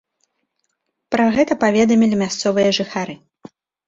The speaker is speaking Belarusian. Пра гэта паведамілі мясцовыя жыхары.